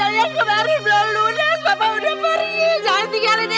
bapak udah pergi jangan tinggalin ibu pak